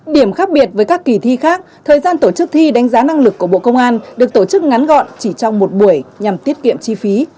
điểm khác biệt với các kỳ thi khác thời gian tổ chức thi đánh giá năng lực của bộ công an được tổ chức ngắn gọn chỉ trong một buổi nhằm tiết kiệm chi phí